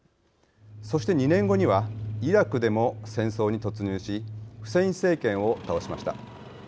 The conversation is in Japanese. そして２年後にはイラクでも戦争に突入しフセイン政権を倒しました。